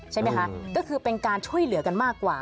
ใช่ไหมคะก็คือเป็นการช่วยเหลือกันมากกว่า